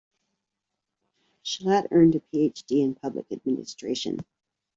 Shelat earned a PhD in public administration.